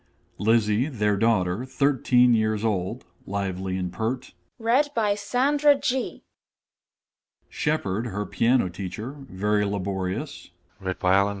_ LIZZIE, their daughter, 13, years old (lively and pert). SHEPARD, _her piano teacher (very laborious).